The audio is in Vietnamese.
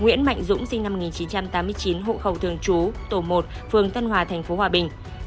nguyễn mạnh dũng sinh năm một nghìn chín trăm tám mươi chín hộ khẩu thường trú tổ một phường tân hòa tp hòa bình